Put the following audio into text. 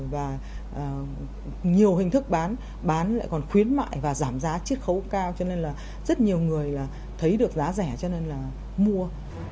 và nhiều hình thức bán bán lại còn khuyến mại và giảm giá chiết khấu cao cho nên là rất nhiều người thấy được giá rẻ cho nên là mua